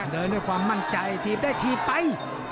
เดินด้วยความมั่นใจถีบได้ถีบไป